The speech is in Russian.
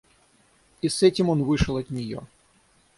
И с этим он вышел от нее.